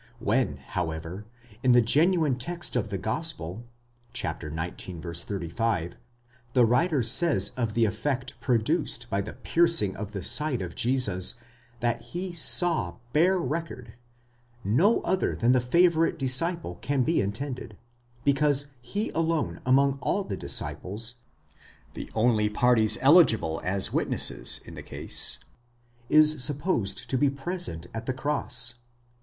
1! When, however, in the genuine text of the gospel (xix. 35), the writer says of the effect produced by the piercing of the side of Jesus, ἀξ that saw bare record, 6 ἑωρακὼς μεμαρτύρηκε, no other than the favourite disciple can be intended, because he alone among all the disciples (the only parties eligible as witnesses. in the case), is supposed to be present at the cross.